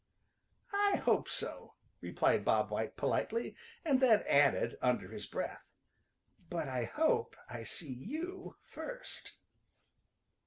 "I hope so," replied Bob White politely, and then added under his breath, "but I hope I see you first."